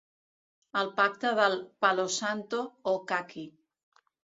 El pacte del “palosanto” o caqui.